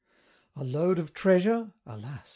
A load of treasure? alas!